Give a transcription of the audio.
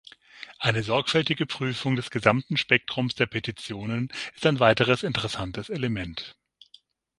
Eine sorgfältige Prüfung des gesamten Spektrums der Petitionen ist ein weiteres interessantes Element.